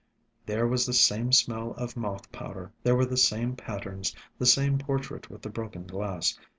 There was the same smell of moth powder; there were the same patterns, the same portrait with the broken glass.